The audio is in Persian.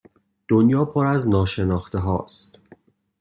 دنیا پر از ناشناخته هاست